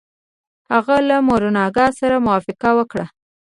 هغه له مورګان سره يې موافقه وکړه.